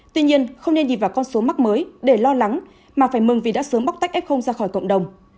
tuy nhiên không nên nhìn vào con số mắc mới để lo lắng mà phải mừng vì đã sớm bóc tách f ra khỏi cộng đồng